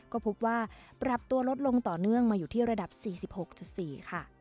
ก็พบว่าปรับตัวลดลงต่อเนื่องมาอยู่ที่ระดับ๔๖๔ค่ะ